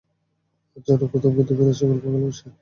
আর জানো, গোথাম কিন্তু ফিরে আসার গল্প ভালোবাসে।